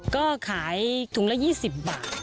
ก็ขายถุงละ๒๐บาท